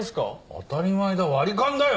当たり前だ割り勘だよ！